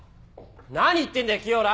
何言ってんだよ清良！